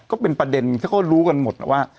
ก็เป็นประเด็นที่เขารู้กันหมดนะว่า